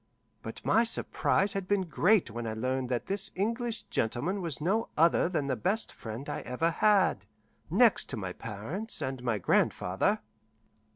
But my surprise had been great when I learned that this English gentleman was no other than the best friend I ever had, next to my parents and my grandfather.